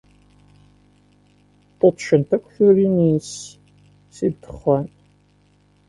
Ṭṭuṭṭcent akk turin-is si ddexxan.